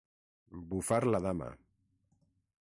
Bufar la dama.